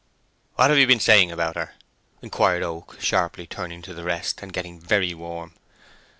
"What have you been saying about her?" inquired Oak, sharply turning to the rest, and getting very warm.